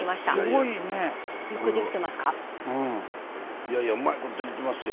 いやいやうまいことできてますよ